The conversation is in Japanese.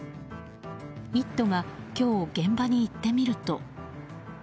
「イット！」が今日、現場に行ってみると。